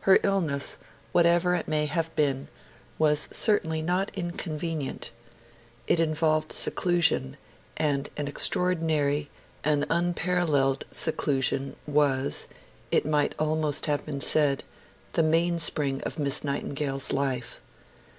Her illness, whatever it may have been, was certainly not inconvenient. It involved seclusion; and an extraordinary, an unparalleled seclusion was, it might almost have been said, the mainspring of Miss Nightingale's life.